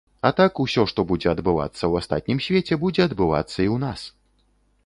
А так усё, што будзе адбывацца ў астатнім свеце, будзе адбывацца і ў нас.